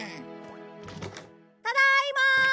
ただいま！